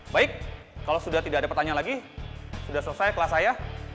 baik kalau sudah tidak ada pertanyaan lagi sudah selesai kelas saya